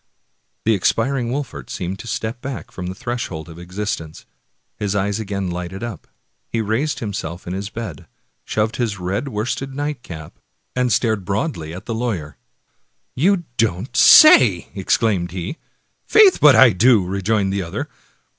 The expiring Wolfert seemed to step back from the threshold of existence; his eyes again lighted up; he raised himself in his bed, shoved back his red worsted nightcap, and stared broadly at the lawyer. " You don't say so! " exclaimed he, " Faith but I do! " rejoined the other.